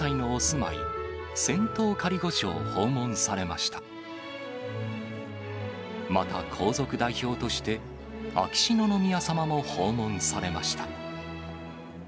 また皇族代表として、秋篠宮さまも訪問されました。